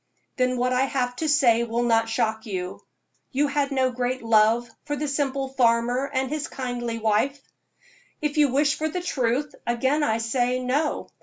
"Then what I have to say will not shock you. You had no great love for the simple farmer and his kindly wife?" "If you wish for the truth, again I say no.